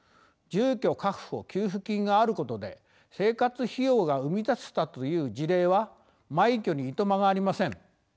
住居確保給付金があることで生活費用が生み出せたという事例は枚挙にいとまがありません。